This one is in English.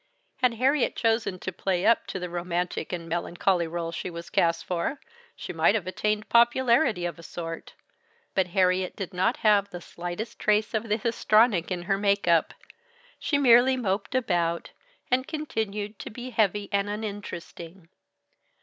Had Harriet chosen to play up to the romantic and melancholy rôle she was cast for, she might have attained popularity of a sort; but Harriet did not have the slightest trace of the histrionic in her make up. She merely moped about, and continued to be heavy and uninteresting.